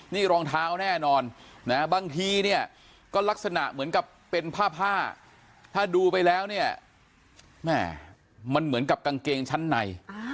นี่รองเท้าแน่นอนนะบางทีเนี่ยก็ลักษณะเหมือนกับเป็นผ้าผ้าถ้าดูไปแล้วเนี่ยแม่มันเหมือนกับกางเกงชั้นใน